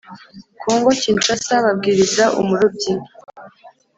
Kongo kinshasa babwiriza umurobyi